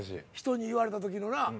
人に言われたときのな。